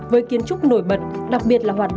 với kiến trúc nổi bật